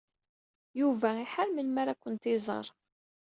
Yuba iḥar melmi ara kent-iẓer.